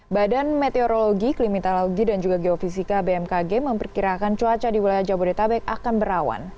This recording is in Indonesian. badan meteorologi klimatologi dan juga geofisika bmkg memperkirakan cuaca di wilayah jabodetabek akan berawan